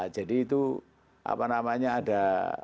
jadi itu apa namanya ada